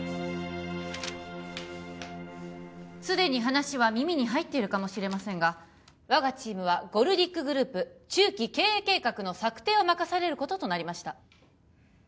すでに話は耳に入ってるかもしれませんが我がチームはゴルディックグループ中期経営計画の策定を任されることとなりました